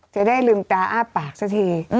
จะได้ลืมตาอ้าปากสักที